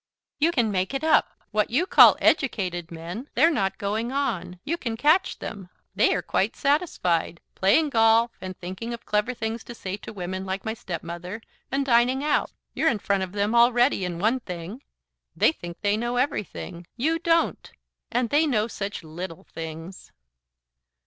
"You can make it up. What you call educated men They're not going on. You can catch them. They are quite satisfied. Playing golf, and thinking of clever things to say to women like my stepmother, and dining out. You're in front of them already in one thing. They think they know everything. You don't. And they know such little things."